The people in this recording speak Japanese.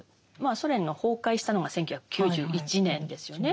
ソ連の崩壊したのが１９９１年ですよね。